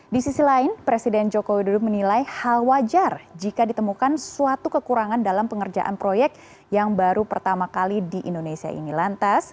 di sisi lain presiden joko widodo menilai hal wajar jika ditemukan suatu kekurangan dalam pengerjaan proyek yang baru pertama kali di indonesia ini lantas